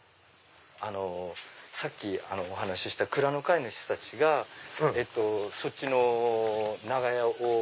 さっきお話しした蔵の会の人たちがそっちの長屋を。